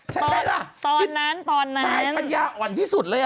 ใช่ไหมล่ะตอนนั้นตอนนั้นชายปัญญาอ่อนที่สุดเลยอ่ะ